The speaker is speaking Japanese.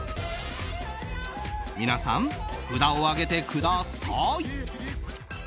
皆さん、札を上げてください。